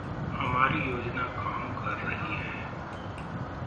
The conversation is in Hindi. हमारी योजना काम कर रही है।